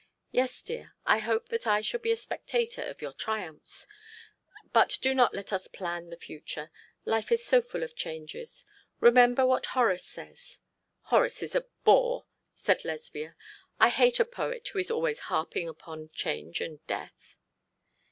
Yes, dear, I hope that I shall be a spectator of your triumphs. But do not let us plan the future. Life is so full of changes. Remember what Horace says ' 'Horace is a bore,' said Lesbia. 'I hate a poet who is always harping upon change and death.'